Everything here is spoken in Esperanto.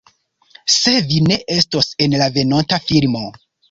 Se vi ne estos en la venonta filmo